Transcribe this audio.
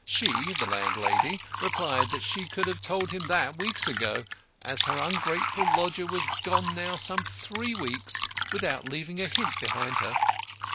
She (the landlady) replied that she could have told him that weeks ago, as her ungrateful lodger was gone now some three weeks without leaving a hint behind her.